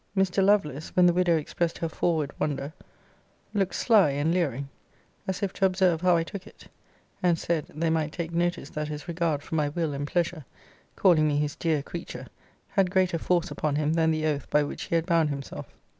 Mr. Lovelace, when the widow expressed her forward wonder, looked sly and leering, as if to observe how I took it: and said, they might take notice that his regard for my will and pleasure (calling me his dear creature) had greater force upon him than the oath by which he had bound himself.